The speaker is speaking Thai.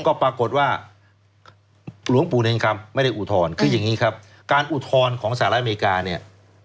ก็ปรากฏว่าหลวงปู่เนรคำไม่ได้อุทธรณ์คืออย่างนี้ครับการอุทธรณ์ของสหรัฐอเมริกาเนี่ย